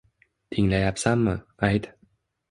Tinglayapsanmi, ayt